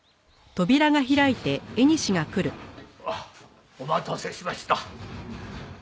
あっお待たせしました。